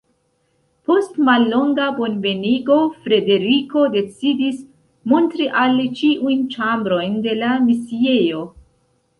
Post mallonga bonvenigo Frederiko decidis montri al li ĉiujn ĉambrojn de la misiejo.